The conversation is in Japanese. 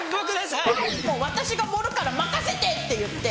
もう私が盛るから任せて！って言って。